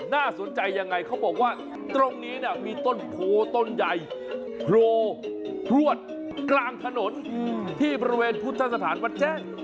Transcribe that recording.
น่าสนใจยังไงเขาบอกว่าตรงนี้เนี่ยมีต้นโพต้นใหญ่โผล่พลวดกลางถนนที่บริเวณพุทธสถานวัดแจ้ง